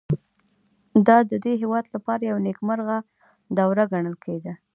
دا د دې هېواد لپاره یوه نېکمرغه دوره ګڼل کېده.